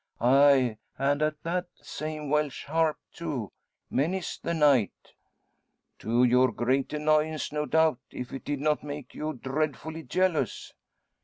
Aye, and at that same Welsh Harp, too many's the night." "To your great annoyance, no doubt; if it did not make you dreadfully jealous?"